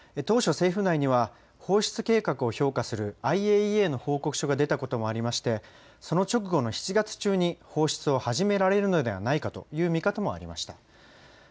当初政府内には放出計画を評価するＩＡＥＡの報告書が出たこともあってその直後の７月中に放出を始められるのではないかという見方もありました。